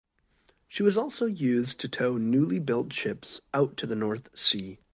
She was also used to tow newly built ships out to the North Sea.